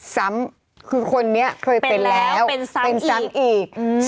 ซ้ำคือคนนี้เคยเป็นแล้วเป็นซ้ำอีก